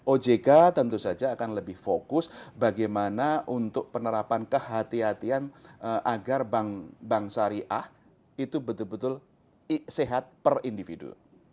ojk tentu saja akan lebih fokus bagaimana untuk penerapan kehatian agar bank syariah itu betul betul sehat per individu